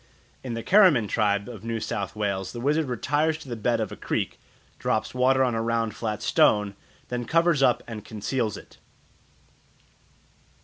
In the Keramin tribe of New South Wales the wizard retires to the bed of a creek, drops water on a round flat stone, then covers up and conceals it.